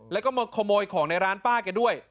แล้วก็มาขโมยของในร้านป้าแกด้วย